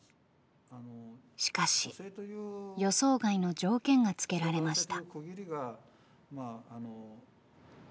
しかし予想外の条件がつけられました。